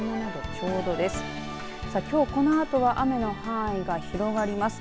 きょう、このあとは雨の範囲が広がります。